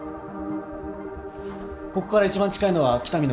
ここから一番近いのは北見の。